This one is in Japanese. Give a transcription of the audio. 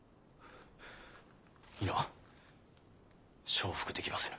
承服できませぬ。